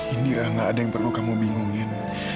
ini gak ada yang perlu kamu bingungin